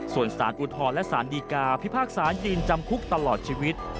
ส่วนสารอุทธรณ์และสารดีกาพิพากษายืนจำคุกตลอดชีวิต